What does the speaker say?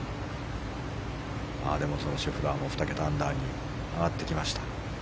シェフラーも２桁アンダーに上がってきました。